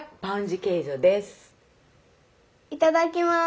いただきます。